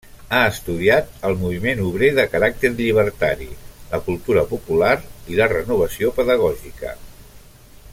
Ha estudiat el moviment obrer de caràcter llibertari, la cultura popular i la renovació pedagògica.